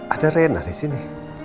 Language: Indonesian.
ada rena di sini